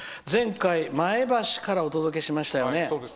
前回、前橋からお届けしましたね。